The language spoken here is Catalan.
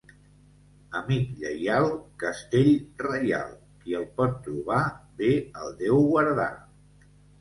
Amic lleial, castell reial; qui el pot trobar, bé el deu guardar.